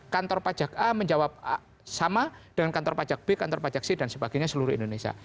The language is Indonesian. kantor pajak a menjawab sama dengan kantor pajak b kantor pajak c dan sebagainya seluruh indonesia